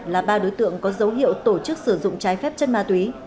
là ba đối tượng có dấu hiệu tổ chức sử dụng trái phép chất ma túy